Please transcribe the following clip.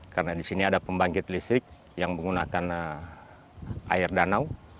karena di sini ada pembangkit listrik yang menggunakan air danau